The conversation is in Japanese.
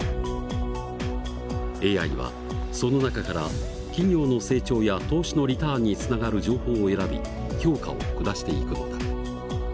ＡＩはその中から企業の成長や投資のリターンにつながる情報を選び評価を下していくのだ。